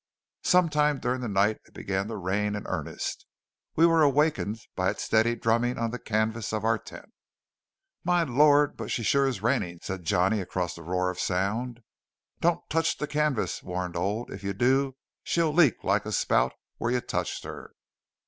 Sometime during the night it began to rain in earnest. We were awakened by its steady drumming on the canvas of our tent. "My Lord! but she sure is raining!" said Johnny across the roar of sound. "Don't tech the canvas!" warned Old. "If you do, she'll leak like a spout where you teched her!"